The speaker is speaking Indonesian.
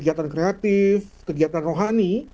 kegiatan kreatif kegiatan rohani